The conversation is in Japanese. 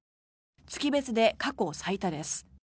月別で過去最多です。